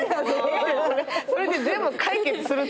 それで全部解決すると思うなよ。